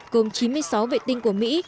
gồm chín mươi sáu vệ tinh của mỹ